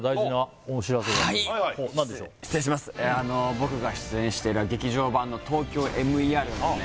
僕が出演している劇場版の「ＴＯＫＹＯＭＥＲ」がですね